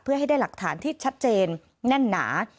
เพื่อให้ได้หลักฐานที่ชัดเจนแน่นหนา